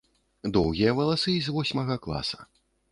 Доўгія васалы з восьмага класа.